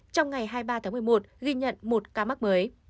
trong ngày hai mươi ba tháng một mươi một ghi nhận một ca mắc mới